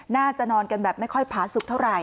น่าจะนอนกันแบบไม่ค่อยผาสุกเท่าไห